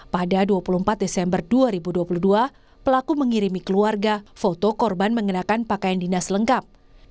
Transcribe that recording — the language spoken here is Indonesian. pada dua puluh empat desember dua ribu dua puluh dua pelaku mengirimi keluarga foto korban mengenakan pakaian dinas lengkap